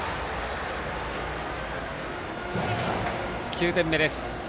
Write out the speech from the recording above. ９点目です。